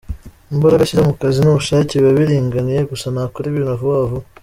Imbaraga ashyira mu kazi n’ubushake biba biringaniye gusa ntakora ibintu vuba vuba.